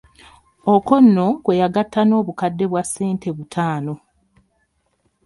Okwo nno kwe yagatta n'obukadde bwa ssente butaano.